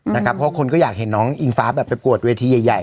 เพราะคนก็อยากเห็นน้องอิงฟ้าแบบประกวดเวทีใหญ่